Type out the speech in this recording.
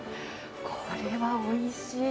これはおいしい。